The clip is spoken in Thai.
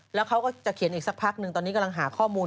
แล้วเขาก็จะเขียนอีกสักพักนึงตอนนี้กำลังหาข้อมูล